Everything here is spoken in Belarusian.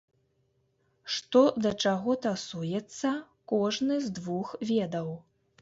Што да чаго тасуецца, кожны з двух ведаў.